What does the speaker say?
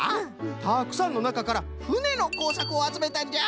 たくさんのなかから「ふね」のこうさくをあつめたんじゃ。